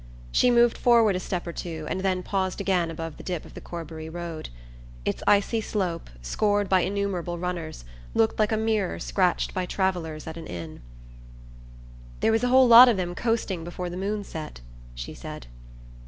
She moved forward a step or two and then paused again above the dip of the Corbury road. Its icy slope, scored by innumerable runners, looked like a mirror scratched by travellers at an inn. "There was a whole lot of them coasting before the moon set," she said.